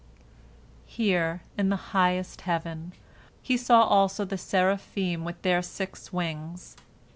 Here, in the highest heaven, he saw also the seraphim with their six wings.